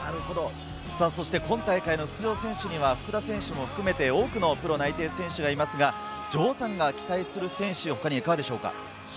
今大会の出場選手には福田選手も含めて多くのプロ内定選手がいますが、城さんが期待する選手はいかがでしょうか？